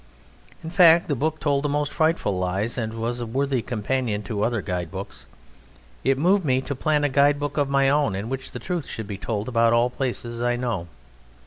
In fact, the book told the most frightful lies and was a worthy companion to other guidebooks. It moved me to plan a guide book of my own in which the truth should be told about all the places I know.